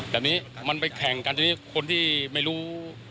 แต่นี้มันไปแข่งกันทีนี้คนที่ไม่รู้